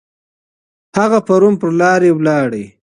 هغه پرون پر لارې ولاړی.